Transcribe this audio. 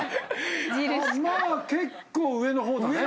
まあ結構上の方だね。